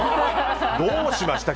どうしました？